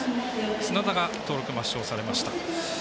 砂田が登録抹消されました。